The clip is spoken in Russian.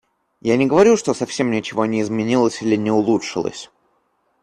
Я не говорю, что совсем ничего не изменилось или не улучшилось.